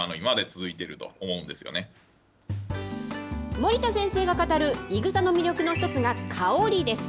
森田先生が語る、いぐさの魅力の一つが香りです。